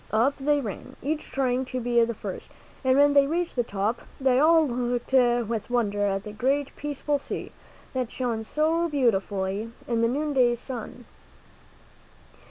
Up they ran, each trying to be the first, and when they reached the top, they all looked with wonder at the great, peaceful sea, that shone so beautifully in the noonday sun.